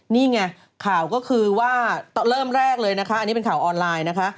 นี่ไงข่าวก็คือว่าเริ่มแรกเลยนะคะอันนี้เป็นข่าวออนไลน์นะคะ